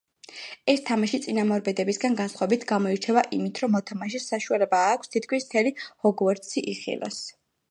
ეს თამაში, წინამორბედებისგან განსხვავებით, გამოირჩევა იმით, რომ მოთამაშეს საშუალება აქვს, თითქმის მთელი ჰოგვორტსი იხილოს.